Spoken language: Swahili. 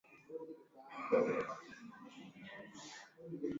wanaharakati wa mitandaoni wakitumia mtandao wa face book na twitter kwa pamoja